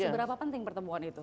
seberapa penting pertemuan itu